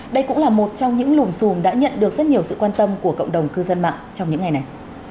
đây cũng là một trong những lùm xùm đã nhận được rất nhiều sự quan tâm của cộng đồng cư dân mạng trong những ngày này